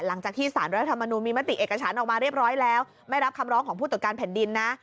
หลังจากที่สารรัฐธรรมนูลมีมติเอกฉันออกมาเรียบร้อยแล้วไม่รับคำร้องของผู้ตรวจการแผ่นดินนะ